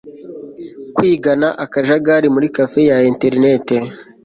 kwigana akajagari muri café ya enterineti